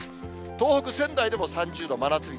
東北・仙台でも３０度、真夏日。